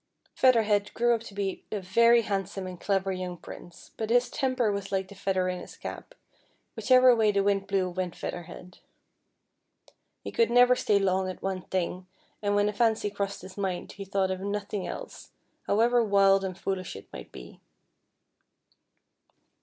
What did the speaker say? Feather Head grew up to be a very handsome and clever young Prince, but his temper was like the feather in his cap : whichever way the wind blew went Feather Head. He could never stay long at one thing, and when a fancy crossed his mind, he thought of nothing else, however wild and foolish it might be.